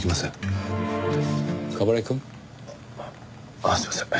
ああすいません。